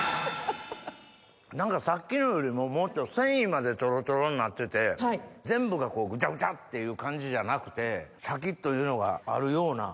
さっきのよりももっと繊維までトロトロになってて全部がぐちゃぐちゃっていう感じじゃなくてシャキっというのがあるような。